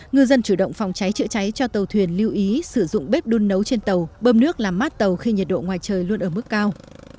ngư dân chủ động phòng cháy chữa cháy cho tàu thuyền lưu ý sử dụng bếp đun nấu trên tàu bơm nước làm mát tàu khi nhiệt độ ngoài trời luôn ở mức cao